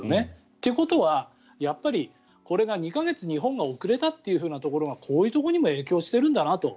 ということは、やっぱりこれが２か月日本が遅れたというところがこういうところにも影響しているんだなと。